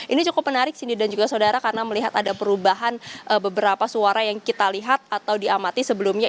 ini cukup menarik cindy dan juga saudara karena melihat ada perubahan beberapa suara yang kita lihat atau diamati sebelumnya